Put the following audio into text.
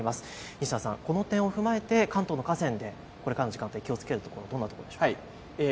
西田さん、この点を踏まえて関東の河川でこれからの時間で気をつけるところ、どんなところでしょうか。